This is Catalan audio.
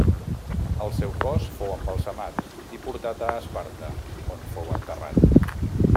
El seu cos fou embalsamat i portat a Esparta on fou enterrat.